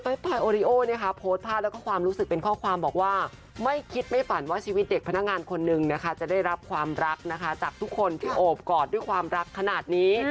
มีเด็กพนักงานคนหนึ่งจะได้รับความรักจากทุกคนที่โอบกอดด้วยความรักขนาดนี้